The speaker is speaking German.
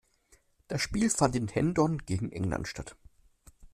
Das Spiel fand in Hendon gegen England statt.